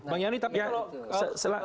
bang yani tapi kalau